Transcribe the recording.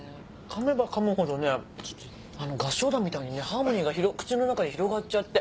噛めば噛むほど合唱団みたいにハーモニーが口の中に広がっちゃって。